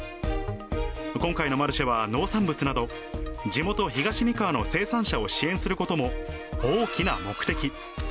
今回のマルシェは農産物など、地元、東三河の生産者を支援することも大きな目的。